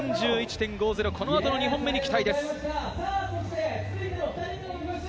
この後の２本目に期待です。